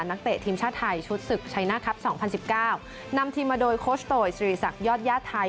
นักเตะทีมชาวไทยชุดศึกชัยหน้าคับสองพันสิบเก้านำทีมมาโดยโคชโตยสรีศักดิ์ยอดญาติไทย